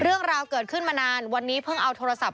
เรื่องราวเกิดขึ้นมานานวันนี้เพิ่งเอาโทรศัพท์